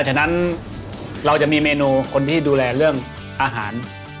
ฉะนั้นเราจะมีเมนูคนที่ดูแลเรื่องอาหาร